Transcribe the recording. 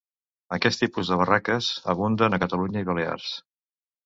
Aquest tipus de barraques abunden a Catalunya i Balears.